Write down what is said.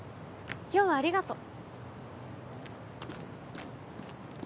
今日はありがとう。